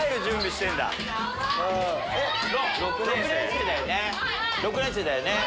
６年生だよね。